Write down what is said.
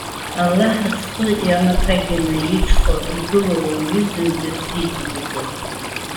Аллаҳ зхы иамаԥагьаны иҽхәо игылоу ауаҩы зынӡа бзиа дибаӡом.